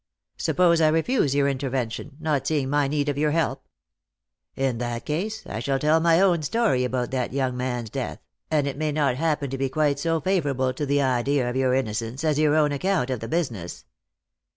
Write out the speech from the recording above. " Suppose I refuse your intervention, not seeing my need of your help ?"" In that case, I shall tell my own story about that young man's death ; and it may not happen to be quite so favourable to the idea of your innocence as your own account of the business."